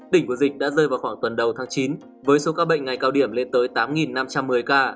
đỉnh của dịch đã rơi vào khoảng tuần đầu tháng chín với số ca bệnh ngày cao điểm lên tới tám năm trăm một mươi ca